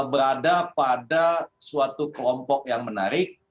berada pada suatu kelompok yang menarik